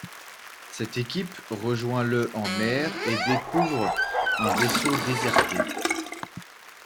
Cette équipe rejoint le en mer et découvre un vaisseau déserté.